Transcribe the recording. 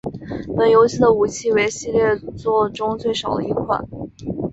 本游戏的武器为系列作中最少的一款。